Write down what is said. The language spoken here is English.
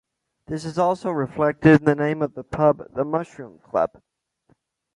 This is also reflected in the name of the pub 'The Mushroom Club'.